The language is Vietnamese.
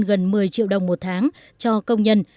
gần một mươi triệu đồng một tháng cho công nhân